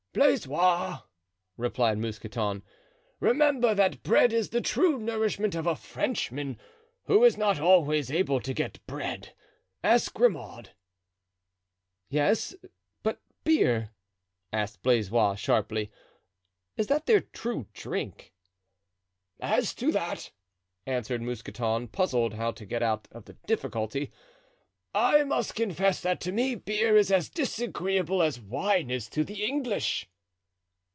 "Blaisois," replied Mousqueton, "remember that bread is the true nourishment of a Frenchman, who is not always able to get bread, ask Grimaud." "Yes, but beer?" asked Blaisois sharply, "is that their true drink?" "As to that," answered Mousqueton, puzzled how to get out of the difficulty, "I must confess that to me beer is as disagreeable as wine is to the English."